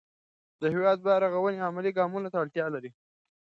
د هېواد بیا رغونه عملي ګامونو ته اړتیا لري.